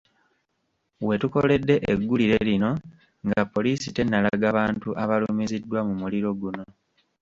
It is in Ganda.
We tukoledde egguliro lino nga poliisi tennalaga bantu abalumiziddwa mu muliro guno.